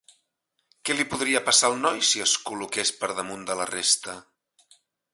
Què li podria passar al noi si es col·loqués per damunt de la resta?